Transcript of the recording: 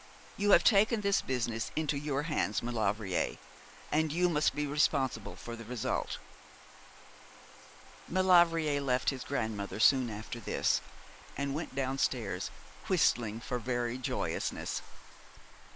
You have taken this business into your hands, Maulevrier; and you must be responsible for the result.' Maulevrier left his grandmother soon after this, and went downstairs, whistling for very joyousness.